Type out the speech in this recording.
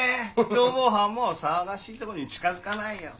逃亡犯も騒がしいところに近づかないよ。